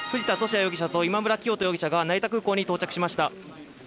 容疑者と今村磨人容疑者が成田空港に到着しました。